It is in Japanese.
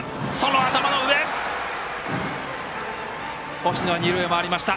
星野は二塁を回りました。